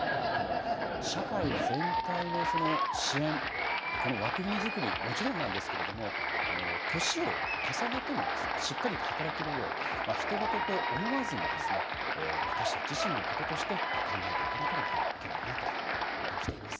社会全体の支援、この枠組み作り、もちろんなんですけれども、年を重ねてもしっかりと働けるよう、ひと事と思わずに、私たち自身のこととして考えていかなければいけないなと感じています。